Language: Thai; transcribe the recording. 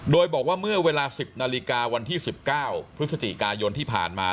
โดยบอกว่าเมื่อเวลา๑๐นาฬิกาวันที่๑๙พฤศจิกายนที่ผ่านมา